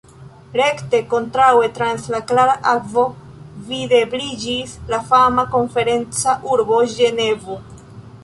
Rekte kontraŭe trans la klara akvo videbliĝis la fama konferenca urbo Ĝenevo.